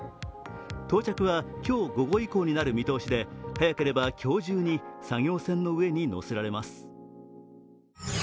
到着は今日午後以降になる見通しで早ければ今日中に作業船の上に載せられます。